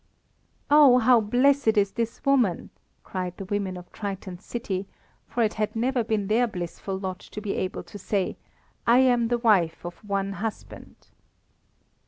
"Oh, how blessed is this woman!" cried the women of Triton's city, for it had never been their blissful lot to be able to say: "I am the wife of one husband."